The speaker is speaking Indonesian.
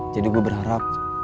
jadi gue berharap